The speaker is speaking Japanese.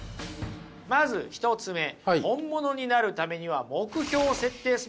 まず１つ目本物になるためには目標を設定すべきである。